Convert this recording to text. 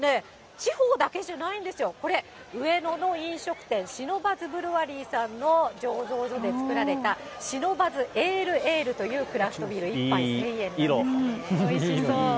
地方だけじゃないんですよ、これ、上野の飲食店、シノバズブルワリーさんの醸造所で造られた、シノバズエールエールというクラフトビール、おいしそう。